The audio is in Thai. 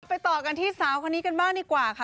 ไปต่อกันที่เซาครวานี้กันบ้างดีกว่าค่ะ